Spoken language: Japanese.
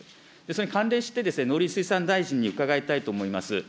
それに関連して農林水産大臣に伺いたいと思います。